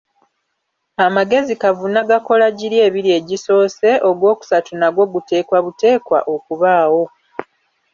Amagezi kavuna gakola giri ebiri egisoose, ogwokusatu nagwo guteekwa buteekwa okubaawo.